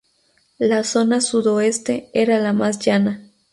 La zona sudoeste era la más llana.